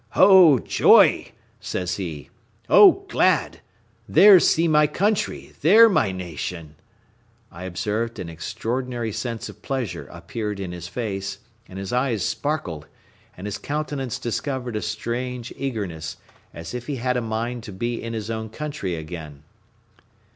"Oh, joy!" says he; "Oh, glad! there see my country, there my nation!" I observed an extraordinary sense of pleasure appeared in his face, and his eyes sparkled, and his countenance discovered a strange eagerness, as if he had a mind to be in his own country again.